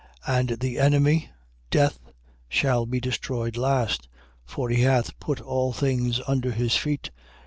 15:26. And the enemy, death, shall be destroyed last: For he hath put all things under his feet.